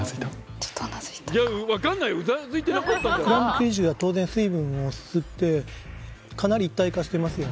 クランブル生地が当然水分を吸ってかなり一体化していますよね